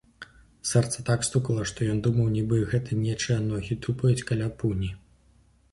Сэрца так стукала, што ён думаў, нібы гэта нечыя ногі тупаюць каля пуні.